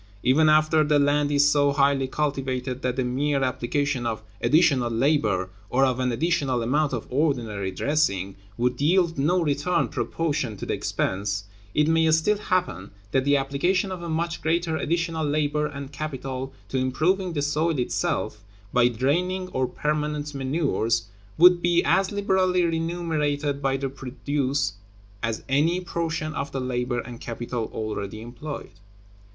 Even after the land is so highly cultivated that the mere application of additional labor, or of an additional amount of ordinary dressing, would yield no return proportioned to the expense, it may still happen that the application of a much greater additional labor and capital to improving the soil itself, by draining or permanent manures, would be as liberally remunerated by the produce as any portion of the labor and capital already employed.